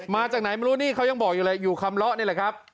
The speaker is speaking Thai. มาจากไหนไม่รู้นี่เขายังบอกอยู่เลยอยู่คำเลาะนี่แหละครับ